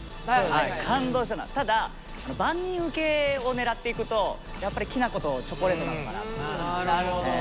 ただ万人受けを狙っていくとやっぱりきなことチョコレートなのかな。